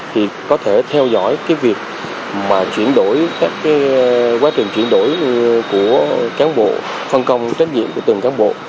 thì có thể theo dõi cái việc mà chuyển đổi các quá trình chuyển đổi của cán bộ phân công trách nhiệm của từng cán bộ